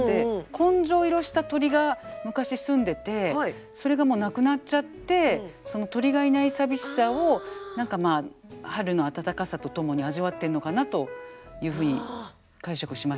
紺青色した鳥が昔住んでてそれがもう亡くなっちゃってその鳥がいない寂しさを何かまあ春の暖かさとともに味わってんのかなといふうに解釈しましたが。